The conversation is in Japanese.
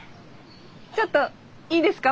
ちょっといいですか？